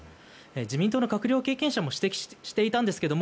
自民党の閣僚経験者も指摘していたんですが